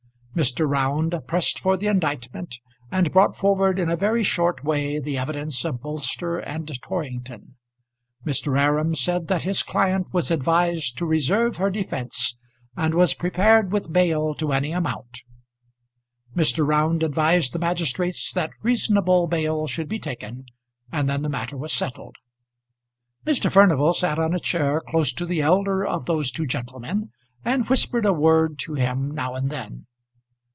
Mr. Round pressed for the indictment, and brought forward in a very short way the evidence of Bolster and Torrington. Mr. Aram said that his client was advised to reserve her defence, and was prepared with bail to any amount. Mr. Round advised the magistrates that reasonable bail should be taken, and then the matter was settled. Mr. Furnival sat on a chair close to the elder of those two gentlemen, and whispered a word to him now and then.